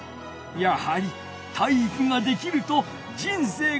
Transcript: やはり体育ができると人生がより楽しくなる！